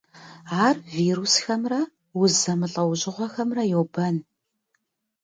Ар вирусхэмрэ уз зэмылӏэужьыгъуэхэмрэ йобэн.